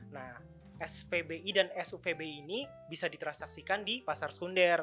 nah spbi dan suvb ini bisa ditransaksikan di pasar sekunder